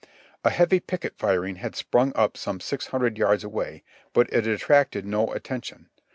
A heavy picket firing had sprung up some six hundred yards away, but it attracted no atten tion.